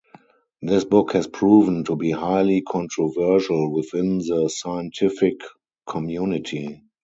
This book has proven to be highly controversial within the scientific community.